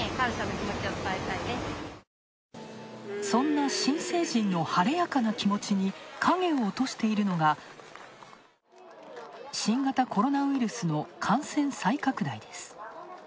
そんな新成人の晴れやかな気持ちに影を落としているのが、新型コロナウイルスの感染再拡大です。